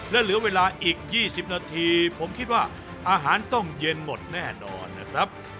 และเหลือเวลาอีก๒๐นาทีผมคิดว่าอาหารต้องเย็นหมดแน่นอนนะครับ